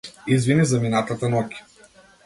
Извини за минатата ноќ.